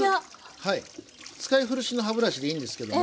はい使い古しの歯ブラシでいいんですけども。